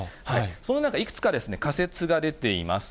その中いくつか仮説が出ています。